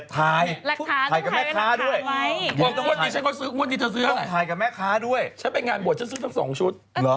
ถ่ายรูปไว้เปล่าถ่ายกับแม่ค้าด้วยถ่ายกับแม่ค้าด้วยฉันไปงานบวชฉันซื้อทั้ง๒ชุด